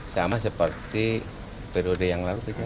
sama seperti periode yang lalu